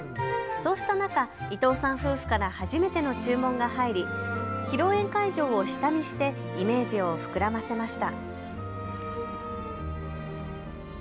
そうした中、伊藤さん夫婦から初めての注文が入り披露宴会場を下見してイメージを膨らませました。